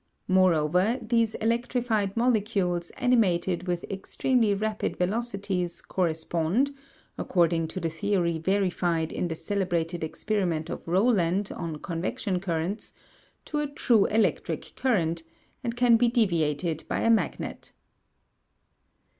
Moreover, these electrified molecules animated with extremely rapid velocities correspond, according to the theory verified in the celebrated experiment of Rowland on convection currents, to a true electric current, and can be deviated by a magnet.